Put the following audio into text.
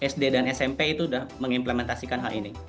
sd dan smp itu sudah mengimplementasikan hal ini